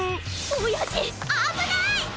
おやじあぶない！